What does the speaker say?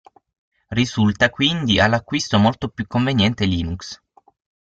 Risulta quindi, all'acquisto, molto più conveniente Linux.